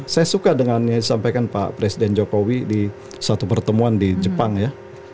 saya suka dengan yang disampaikan pak presiden jokowi di satu pertemuan di jepang ya